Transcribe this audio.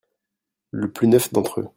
Le plus neuf d'entre eux.